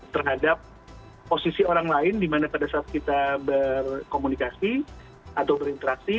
terhadap posisi orang lain di mana pada saat kita berkomunikasi atau berinteraksi